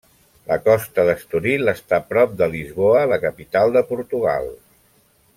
La costa d'Estoril està prop de Lisboa, la capital de Portugal.